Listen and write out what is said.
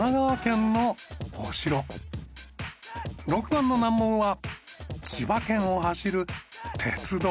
６番の難問は千葉県を走る鉄道。